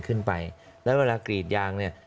ขึ้นไปแล้วเวลากรีดยางเนี่ย